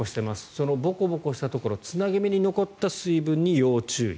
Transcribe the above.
そのぼこぼこしたところつなぎ目に残った水分に要注意。